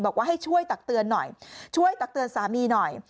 บอกว่าให้ช่วยตักเตือนหน่อยช่วยตักเตือนสามีหน่อย